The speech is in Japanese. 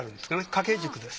掛軸です。